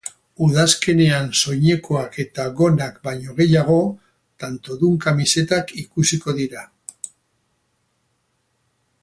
Udazkenean soinekoak eta gonak baino gehiago, tantodun kamisetak ikusiko dira.